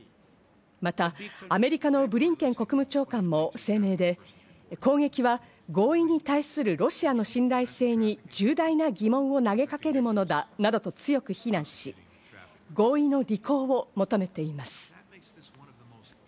またアメリカのブリンケン国務長官も声明で、攻撃は合意に対するロシアの信頼性に重大な疑問を投げかけるものだなどと強く非難し、合意の履行を求めています。